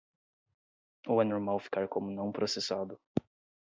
Ou é normal ficar como "não processado"?